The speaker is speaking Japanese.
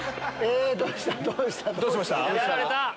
どうした？